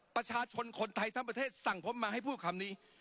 ประชาชนคนไทยทั้งประเทศสั่งผมมาให้พูดคำนี้